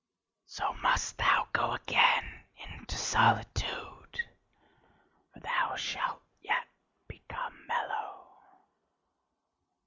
So must thou go again into solitude: for thou shalt yet become mellow."